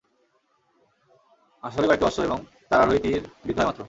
আসলে কয়েকটি অশ্ব এবং তার আরোহী তীর বিদ্ধ হয় মাত্র।